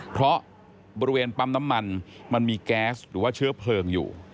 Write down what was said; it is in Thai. เพราะบริเวณปั๊มน้ำมันมันมีแก๊สหรือว่าเชื้อเพลิงอยู่